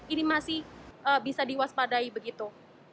ini masih bisa diwaspadai begitu